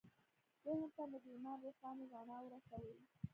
ذهن ته مو د ایمان روښانه رڼا ورسوئ